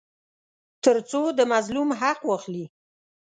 تر څو د مظلوم حق واخلي.